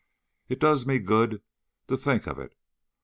It just does me good to think of it!